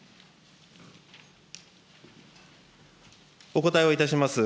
お答えをいたします。